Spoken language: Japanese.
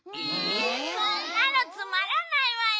そんなのつまらないわよ！